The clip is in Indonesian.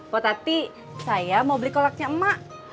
potati saya mau beli kolaknya emak